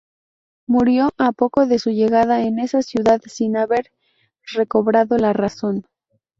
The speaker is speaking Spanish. Murió a poco de su llegada a esa ciudad, sin haber recobrado la razón.